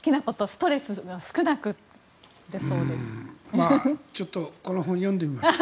ストレスを少なくだそうです。